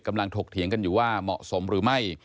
ถกเถียงกันอยู่ว่าเหมาะสมหรือไม่